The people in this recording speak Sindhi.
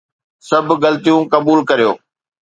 سڀ غلطيون قبول ڪريو